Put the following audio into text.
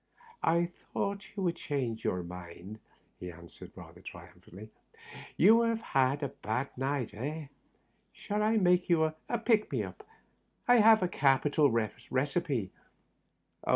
" I thought you would change your mind," he an swered rather triumphantly. "You have had a bad night, eh ? Shall I make you a pick me up ? I have a capital recipe."